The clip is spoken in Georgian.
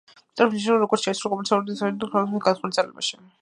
მნიშვნელოვანი როლი შეასრულა სტოკჰოლმის ომის შემდგომი ქალაქგეგმარების განხორციელებაში.